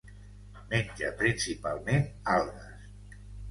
Menja principalment algues.